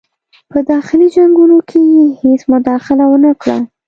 په داخلي جنګونو کې یې هیڅ مداخله ونه کړه.